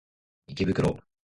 池袋